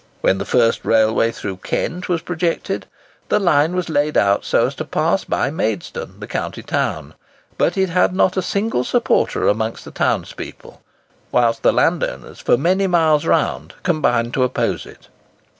When the first railway through Kent was projected, the line was laid out so as to pass by Maidstone, the county town. But it had not a single supporter amongst the townspeople, whilst the landowners for many miles round combined to oppose it.